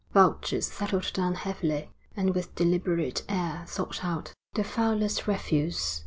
Vultures settled down heavily, and with deliberate air sought out the foulest refuse.